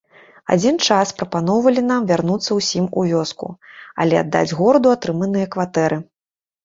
Адзін час прапаноўвалі нам вярнуцца ўсім у вёску, але аддаць гораду атрыманыя кватэры.